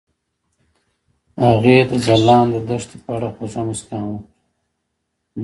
هغې د ځلانده دښته په اړه خوږه موسکا هم وکړه.